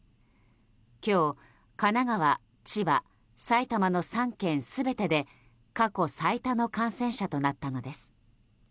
今日、神奈川、千葉、埼玉の３県全てで過去最多の感染者となったのです。